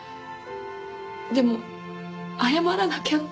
でも謝らなきゃって。